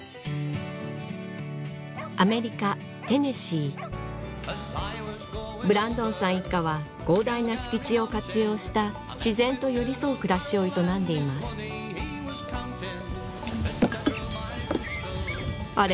アメリカテネシーブランドンさん一家は広大な敷地を活用した自然と寄り添う暮らしを営んでいますあれ？